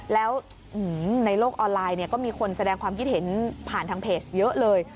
แล้วในโลกออนไลน์ก็มีคนแสดงความคิดเห็นผ่านทางเพจเยอะเลย